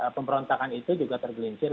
pemberontakan itu juga tergelincir